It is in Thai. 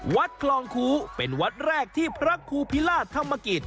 วัดคลองคูเป็นวัดแรกที่พระครูพิราชธรรมกิจ